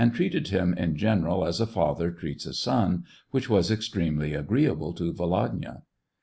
treated him, in general, as a father treats a son, which was extremely agreeable to Volodya.